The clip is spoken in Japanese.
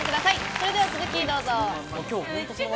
それでは続きどうぞ。